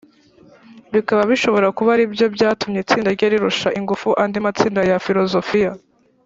bikaba bishobora kuba ari byo byatumye itsinda rye rirusha ingufu andi matsinda ya filozofiya.